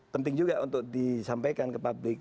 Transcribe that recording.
penting juga untuk disampaikan ke publik